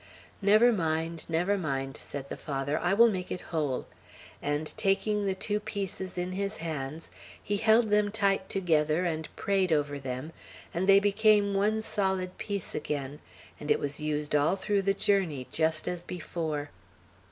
"Never mind, never mind," said the Father; "I will make it whole;" and taking the two pieces in his hands, he held them tight together, and prayed over them, and they became one solid piece again, and it was used all through the journey, just as before.